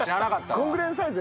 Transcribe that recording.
このぐらいのサイズ？